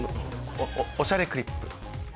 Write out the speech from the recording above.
『おしゃれクリップ』。